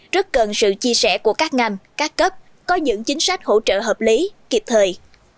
rất cần sự chia sẻ của các ngành các cấp có những chính sách hỗ trợ hợp lý kịp thời